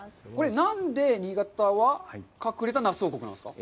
何で新潟は隠れたナス王国なんですか。